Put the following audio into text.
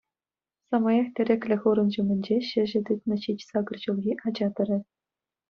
Самаях тӗреклӗ хурӑн ҫумӗнче çĕçĕ тытнӑ ҫич-сакӑр ҫулхи ача тӑрать.